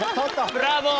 ブラボー！